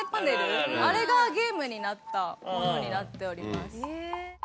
あれがゲームになったものになっております。